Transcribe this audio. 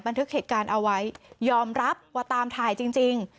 บันทึกเหตุการณ์เอาไว้ยอมรับว่าตามถ่ายจริง